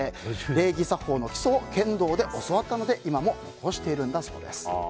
礼儀作法の基礎を剣道で教わったので今も残しているんだそうです。